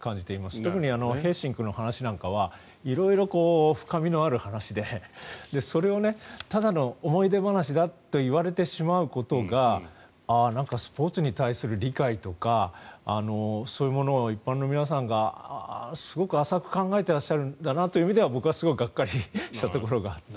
特にヘーシンクの話なんかは色々、深みのある話でそれをただの思い出話だといわれてしまうことがなんかスポーツに対する理解とかそういうものを一般の皆さんがすごく浅く考えていらっしゃるんだなという僕はすごくがっかりしたところがあって。